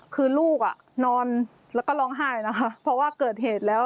คือลูกอ่ะนอนแล้วก็ร้องไห้นะคะเพราะว่าเกิดเหตุแล้ว